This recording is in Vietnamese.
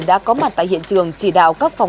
đã có mặt tại hiện trường chỉ đạo các phòng